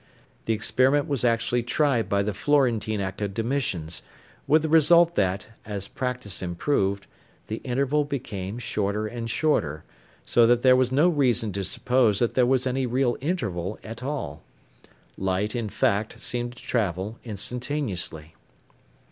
The experiment was actually tried by the Florentine Academicians, with the result that, as practice improved, the interval became shorter and shorter, so that there was no reason to suppose that there was any real interval at all. Light, in fact, seemed to travel instantaneously.